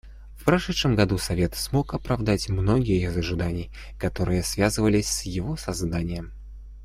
В прошедшем году Совет смог оправдать многие из ожиданий, которые связывались с его созданием.